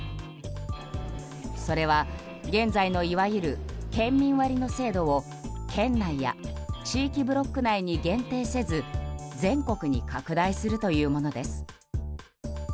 それは現在のいわゆる県民割の制度を県内や地域ブロック内に限定せず全国に拡大するというものです。